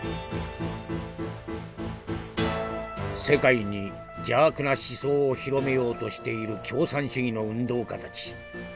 「世界に邪悪な思想を広めようとしている共産主義の運動家たち。